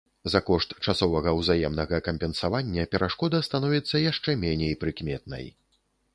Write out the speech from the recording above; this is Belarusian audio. За кошт часовага ўзаемнага кампенсавання, перашкода становіцца яшчэ меней прыкметнай.